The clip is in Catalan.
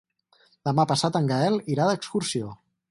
Demà passat en Gaël irà d'excursió.